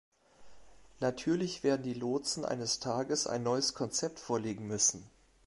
Natürlich werden die Lotsen eines Tages ein neues Konzept vorlegen müssen.